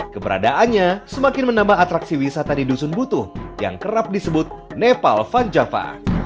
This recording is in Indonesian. keberadaannya semakin menambah atraksi wisata di dusun butuh yang kerap disebut nepal van java